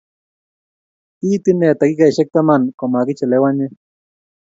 Kiit inne takikaishek taman komagichelewanye